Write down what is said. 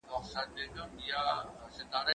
زه به سبا مکتب ته ولاړم؟!